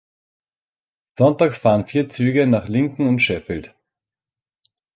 Sonntags fahren vier Züge nach Lincoln und Sheffield.